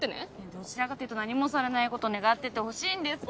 どちらかというと何もされない事を願っててほしいんですけど。